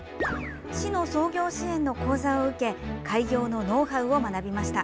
市の創業支援の講座を受け開業のノウハウを学びました。